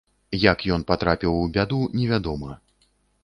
Як ён патрапіў у бяду, невядома.